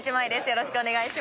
よろしくお願いします。